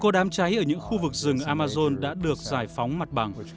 họ cố tình đốt rừng và đối với những khu vực rừng amazon đã được giải phóng mặt bằng